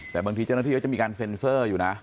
แต่บางทีเจ้าหน้าที่เขาจะมีการเซ็นเซอร์อยู่นะ